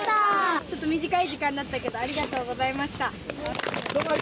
ちょっと短い時間だったけどありがとうございました。